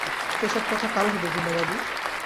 সে-সব কথা কাল হবে পূর্ণবাবু!